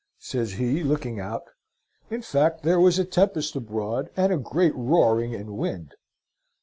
says he, looking out. In fact there was a tempest abroad, and a great roaring, and wind.